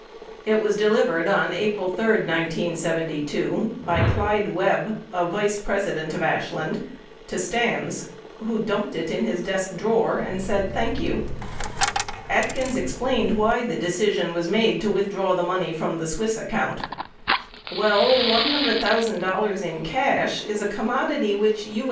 It was delivered on April 3, 1972, by Clyde Webb, a vice president of Ashland, to Stans who "dumped it in his desk drawer" and said "Thank you." 34 Atkins explained why the decision was made to withdraw the money from the Swiss account : Well, $100,000 in cash is a commodity which U.